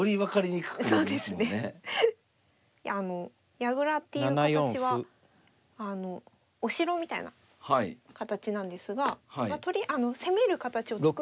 矢倉っていう形はお城みたいな形なんですが攻める形を作る前に。